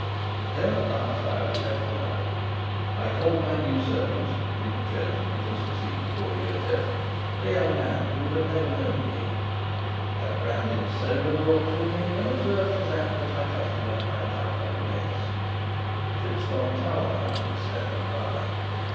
Then, at last, I was left alone. I called my new servant (we had chosen, to succeed poor Josef, a young man who had never known the King), had a brandy and soda brought to me, and observed to Sapt that I trusted that I might now have a rest. Fritz von Tarlenheim was standing by.